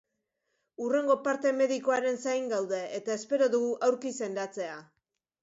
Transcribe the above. Hurrengo parte medikoaren zain gaude, eta espero dugu aurki sendatzea.